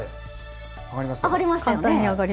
上がりましたね。